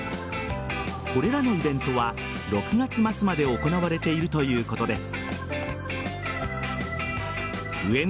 これらのイベントは６月末まで行われているということです。